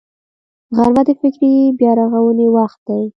غرمه د فکري بیا رغونې وخت دی